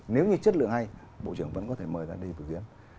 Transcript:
nếu như chất lượng hay bộ trưởng vẫn có thể mời ra đi biểu diễn